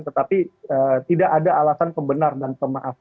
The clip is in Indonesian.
tetapi tidak ada alasan pembenar dan pemaaf